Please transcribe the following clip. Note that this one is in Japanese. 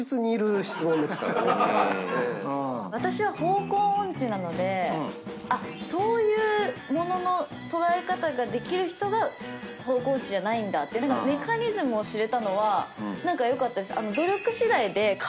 私は方向音痴なのでそういうものの捉え方ができる人が方向音痴じゃないんだってメカニズムを知れたのは何かよかったです。